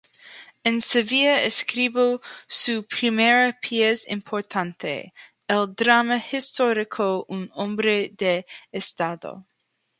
En Sevilla escribió su primera pieza importante, el drama histórico "Un hombre de estado".